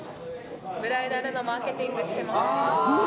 ブライダルのマーケティングしてます。